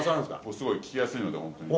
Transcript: すごい聞きやすいので、本当に。